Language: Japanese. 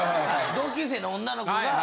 同級生の女の子が。